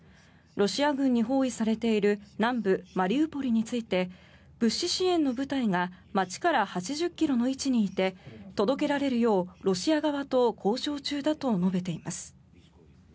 ロシア軍に包囲されている南部マリウポリについて物資支援の部隊が街から８０ｋｍの位置にいて届けられるようロシア側と交渉中だと述べています。